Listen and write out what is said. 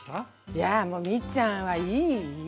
いやもうミッちゃんはいいいい。